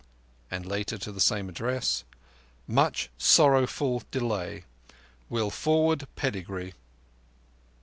_" And later to the same address: "_Much sorrowful delay. Will forward pedigree.